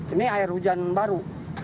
ini air hujan baru